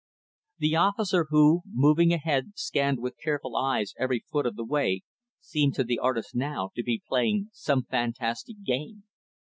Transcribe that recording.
The officer, who, moving ahead, scanned with careful eyes every foot of the way, seemed to the artist, now, to be playing some fantastic game.